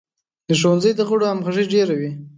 د ښوونځي د غړو همغږي ډیره وي.